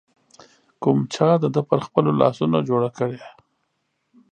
کوم چا د ده پر خپلو لاسونو جوړه کړې